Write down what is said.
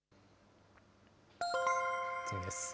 次です。